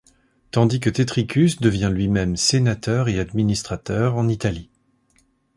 Tandis que Tetricus devient lui-même sénateur et administrateur en Italie.